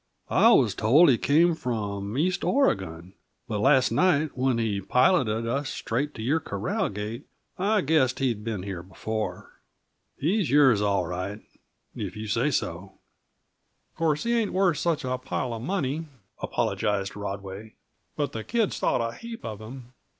"I was told he came from east Oregon. But last night, when he piloted us straight to your corral gate, I guessed he'd been here before. He's yours, all right, if you say so." "Uh course he ain't worth such a pile uh money," apologized Rodway, "but the kids thought a heap of him.